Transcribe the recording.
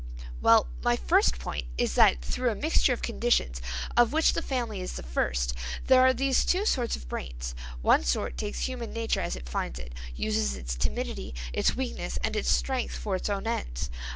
"Well, my first point is that through a mixture of conditions of which the family is the first, there are these two sorts of brains. One sort takes human nature as it finds it, uses its timidity, its weakness, and its strength for its own ends.